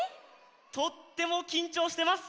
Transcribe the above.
とってもきんちょうしてます。